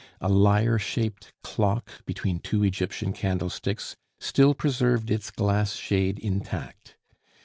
A lyre shaped clock between two Egyptian candlesticks still preserved its glass shade intact.